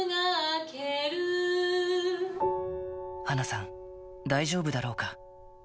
華さん、大丈夫だろうか。